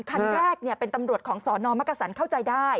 คันแรกเป็นตำรวจของสนมกษันเข้าใจได้